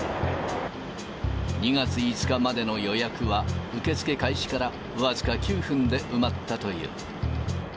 ２月５日までの予約は、受け付け開始から僅か９分で埋まったという。